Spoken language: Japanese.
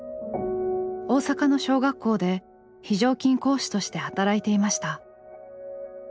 大阪の小学校で非常勤講師として働いていました。